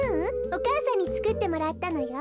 おかあさんにつくってもらったのよ。